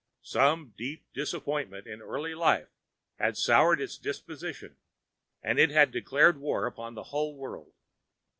Some deep disappointment in early life had soured its disposition and it had declared war upon the whole world.